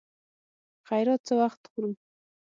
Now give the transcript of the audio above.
خيرات څه وخت خورو.